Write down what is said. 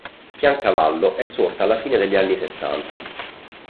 Piancavallo è sorta alla fine degli anni sessanta.